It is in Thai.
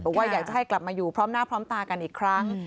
บอกว่าอยากจะให้กลับมาอยู่พร้อมหน้าพร้อมตากันอีกครั้ง